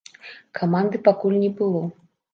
Каманды пакуль не было.